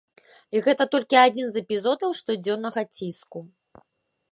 І гэта толькі адзін з эпізодаў штодзённага ціску.